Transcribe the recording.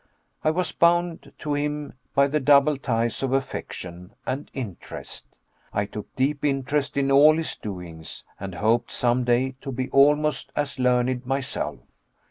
I was bound to him by the double ties of affection and interest. I took deep interest in all his doings, and hoped some day to be almost as learned myself.